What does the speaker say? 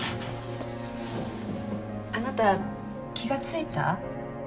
あなた気が付いた？